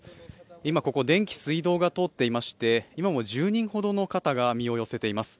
今、ここ電気水道が通っていまして今も１０人ほどの方が身を寄せています。